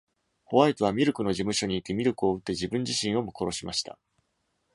ホワイトはミルクの事務所に行きミルクを撃って、自分自身をも殺しました。